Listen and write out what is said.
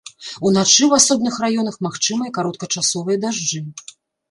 Уначы ў асобных раёнах магчымыя кароткачасовыя дажджы.